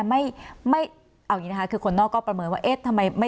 ไม่ไม่เอาอย่างนี้นะคะคือคนนอกก็ประเมินว่าเอ๊ะทำไมไม่